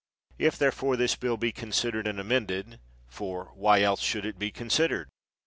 If, therefore, this bill be considered and amended (for why else should it be considered?)